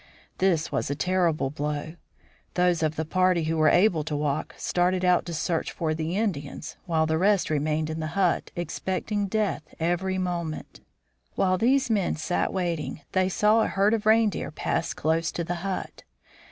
This was a terrible blow. Those of the party who were able to walk, started out to search for the Indians, while the rest re mained in the hut, expecting death every moment. While these men sat waiting, they saw a herd of reindeer pass close to the hut.